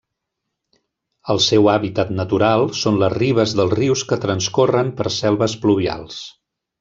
El seu hàbitat natural són les ribes dels rius que transcorren per selves pluvials.